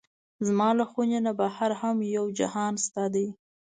زما له خونې نه بهر هم یو جهان شته دی.